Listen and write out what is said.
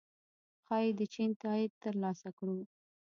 ښايي د چین تائید ترلاسه کړو